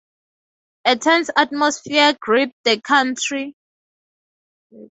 A tense atmosphere gripped the country.